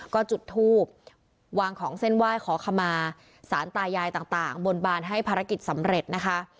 ก็จุดทูบวางของเส้นไหว้ขอขมาสารตายายต่างบนบานให้ภารกิจสำเร็จนะคะ